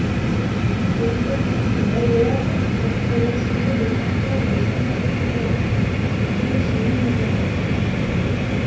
Ces entreprises, dont Bayer, emploient massivement des substances de synthèse interdites et potentiellement dangereuses.